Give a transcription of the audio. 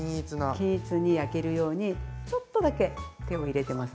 均一に焼けるようにちょっとだけ手を入れてます。